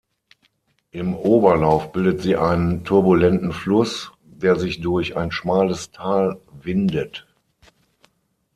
Im Oberlauf bildet sie einen turbulenten Fluss, der sich durch ein schmales Tal windet.